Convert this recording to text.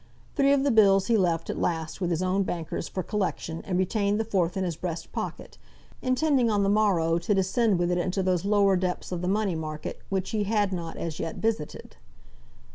Three of the bills he left at last with his own bankers for collection, and retained the fourth in his breast pocket, intending on the morrow to descend with it into those lower depths of the money market which he had not as yet visited.